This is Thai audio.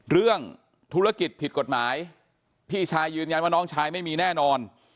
เรื่องธุรกิจผิดกฎหมายพี่ชายยืนยันว่าน้องชายไม่มีแน่นอน